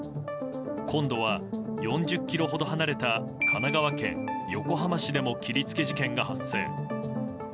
今度は、４０ｋｍほど離れた神奈川県横浜市でも切りつけ事件が発生。